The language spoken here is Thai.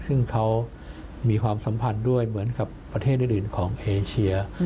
ซึ่งเขามีความสัมพันธ์ด้วยเหมือนกับประเทศอื่นของเอเชีย